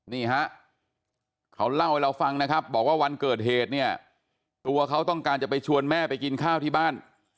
นี่ฮะเขาเล่าให้เราฟังนะครับบอกว่าวันเกิดเหตุเนี่ยตัวเขาต้องการจะไปชวนแม่ไปกินข้าวที่บ้าน